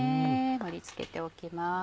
盛り付けておきます。